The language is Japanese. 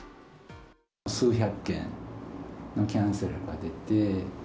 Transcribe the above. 数百件のキャンセルが出て。